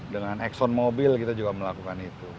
dengan exxon mobil kita juga melakukan itu